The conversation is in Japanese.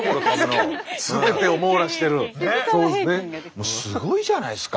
もうすごいじゃないですか。